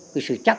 cái sự chắc